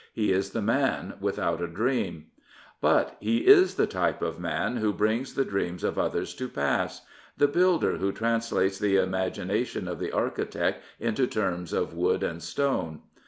He is the man without a dream. But he is the type of man who brings the dreams of others to pass — ^the builder who translates the imagina tion of the architect into terms of wood and stone.